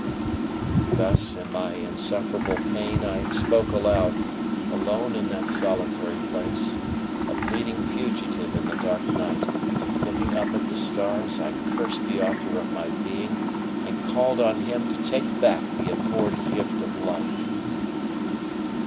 Thus, in my insufferable pain, I spoke aloud; alone in that solitary place, a bleeding fugitive in the dark night, looking up at the stars I cursed the Author of my being and called on Him to take back the abhorred gift of life.